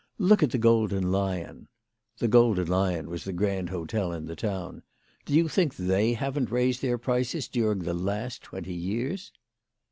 Look at the Golden Lion." The Grolden Lion was the grand hotel in the town. " Do you think they haven't raised their prices during the last twenty years